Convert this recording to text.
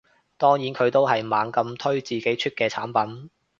當然佢都係猛咁推自己出嘅產品